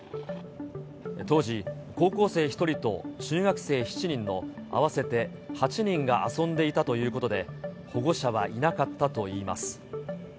当時、高校生１人と、中学生７人の合わせて８人が遊んでいたということで、保護者はいなかったといいます。